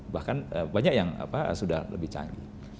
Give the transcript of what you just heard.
bahkan banyak yang sudah lebih canggih